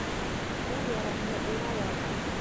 Ҡул яраһы уңала